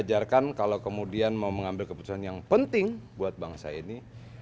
diajarkan kalau kemudian mau mengambil keputusan yang penting buat bangsa ini